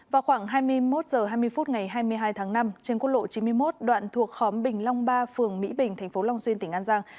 vào khoảng hai mươi một h hai mươi phút ngày hai mươi hai tháng năm trên quốc lộ chín mươi một đoạn thuộc khóm bình long ba phường mỹ bình tp long xuyên tỉnh an giang